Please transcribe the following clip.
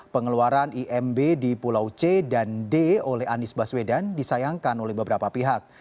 pengeluaran imb di pulau c dan d oleh anies baswedan disayangkan oleh beberapa pihak